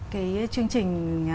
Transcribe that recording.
cái chương trình